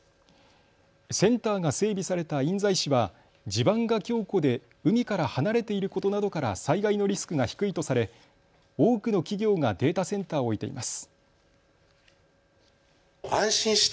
センターが整備された印西市は地盤が強固で海から離れていることなどから災害のリスクが低いとされ多くの企業がデータセンターを置いています。